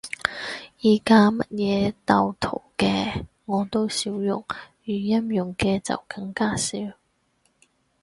而家乜嘢鬥圖嘅，我都少用，語音用嘅就更加少